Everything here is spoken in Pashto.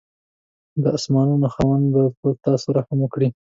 د اسمانانو خاوند به په تاسو رحم وکړي.